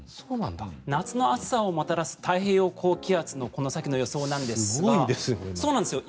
夏の暑さをもたらす太平洋高気圧のこの先の予想なんですがすごいんですよね。